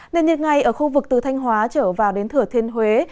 nên nhiệt ngày ở khu vực từ thanh hóa trở vào đến thừa thiên huế